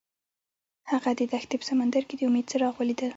هغه د دښته په سمندر کې د امید څراغ ولید.